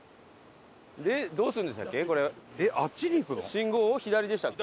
信号を左でしたっけ？